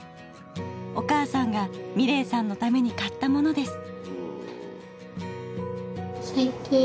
お母さんが美礼さんのために買ったものです。